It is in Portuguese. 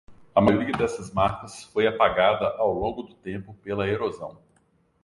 A maioria dessas marcas foi apagada ao longo do tempo pela erosão